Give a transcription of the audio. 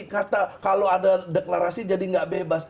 kata kalau ada deklarasi jadi nggak bebas